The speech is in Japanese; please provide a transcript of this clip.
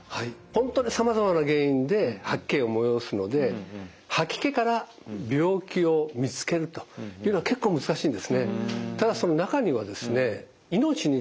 本当にさまざまな原因で吐き気をもよおすので吐き気から病気を見つけるというのは結構難しいんですね。